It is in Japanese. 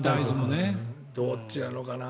どっちなのかな。